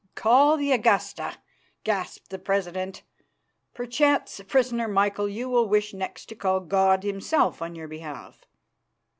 "Call the Augusta!" gasped the president. "Perchance, prisoner Michael, you will wish next to call God Himself on your behalf?"